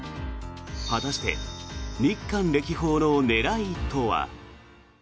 果たして、日韓歴訪の狙いとは。